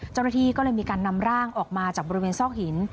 เจ้าหน้าที่ก็เลยมีการนำร่างออกมาจากบริเวณซอกหิน